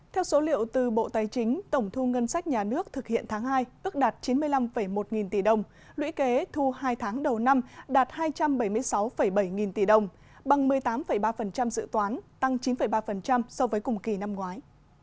theo số liệu từ bộ tài chính tổng thu ngân sách nhà nước thực hiện tháng hai ước đạt chín mươi năm một nghìn tỷ đồng lũy kế thu hai tháng đầu năm đạt hai trăm bảy mươi sáu bảy nghìn tỷ đồng bằng một mươi tám ba dự toán tăng chín ba so với cùng kỳ năm ngoái